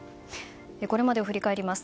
これまでを振り返ります。